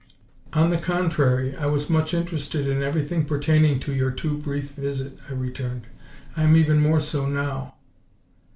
"On the contrary, I was much interested in everything pertaining to your too brief visit," I returned; "I am even more so now."